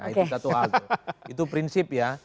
itu satu hal itu prinsip ya